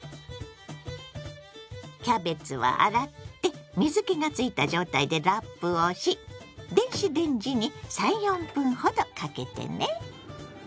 キャベツは洗って水けがついた状態でラップをし電子レンジに３４分ほどかけてね。